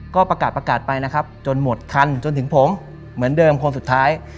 ก็ประกาศประกาศไปนะครับจนหมดคันจนถึงผมเหมือนเดิมคนสุดท้าย